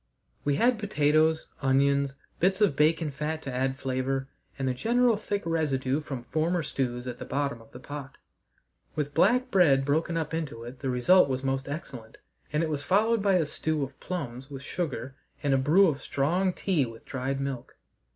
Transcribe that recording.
We had potatoes, onions, bits of bacon fat to add flavour, and a general thick residue from former stews at the bottom of the pot; with black bread broken up into it the result was most excellent, and it was followed by a stew of plums with sugar and a brew of strong tea with dried milk.